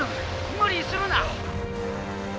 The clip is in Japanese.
無理するな！」。